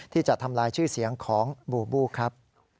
ที่จะทำลายชื่อเสียงของบูบูครับ